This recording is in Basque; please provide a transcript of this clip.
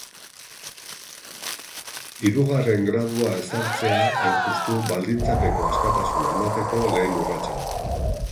Hirugarren gradua ezartzea, hain justu, baldintzapeko askatasuna emateko lehen urratsa da.